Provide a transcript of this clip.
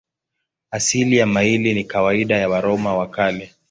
Asili ya maili ni kawaida ya Waroma wa Kale.